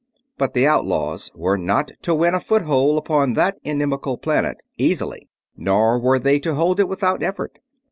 But the outlaws were not to win a foothold upon that inimical planet easily, nor were they to hold it without effort.